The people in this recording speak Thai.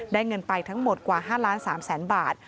ได้เงินไปทั้งหมดกว่า๕ล้าน๓แสนบาท